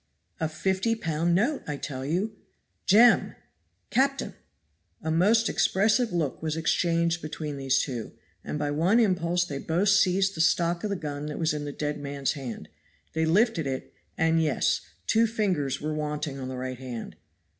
"A fifty pound note, I tell you." "Jem!" "Captain!" A most expressive look was exchanged between these two, and by one impulse they both seized the stock of the gun that was in the dead man's hand. They lifted it, and yes two fingers were wanting on the right hand.